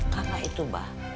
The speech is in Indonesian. karena itu mbak